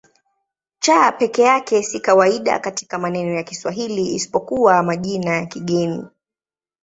C peke yake si kawaida katika maneno ya Kiswahili isipokuwa katika majina ya kigeni.